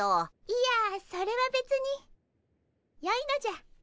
いやそれはべつによいのじゃ。